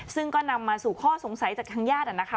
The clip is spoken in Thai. ซึ่งก็นำมาสู่ข้อสงสัยจากทางญาตินะคะ